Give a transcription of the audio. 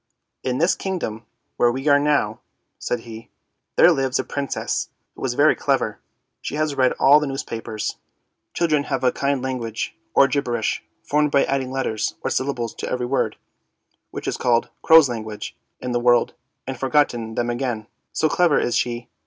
" In this kingdom where we are now," said he, " there lives a Princess who is very clever. She has read all the newspapers 1 Children have a kind of language, or gibberish, formed by adding letters or syllables to every word, which is called " crow's language," 200 ANDERSEN'S FAIRY TALES in the world, and forgotten them again, so clever is she.